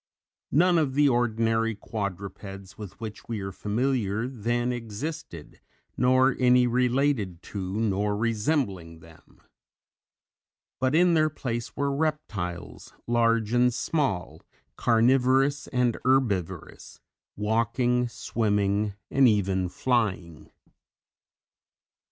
None of the ordinary quadrupeds with which we are familiar then existed, nor any related to nor resembling them. But in their place were reptiles large and small, carnivorous and herbivorous, walking, swimming and even flying.